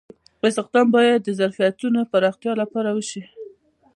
استخدام باید د ظرفیتونو د پراختیا لپاره وشي.